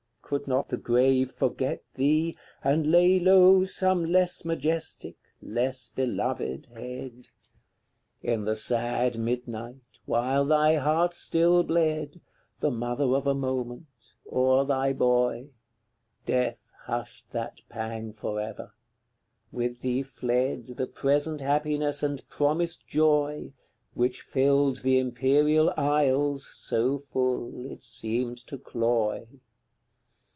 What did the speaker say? Could not the grave forget thee, and lay low Some less majestic, less beloved head? In the sad midnight, while thy heart still bled, The mother of a moment, o'er thy boy, Death hushed that pang for ever: with thee fled The present happiness and promised joy Which filled the imperial isles so full it seemed to cloy.